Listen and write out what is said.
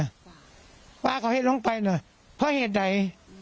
เอาละเขาต้องไปเนอะเพราะเหตุใด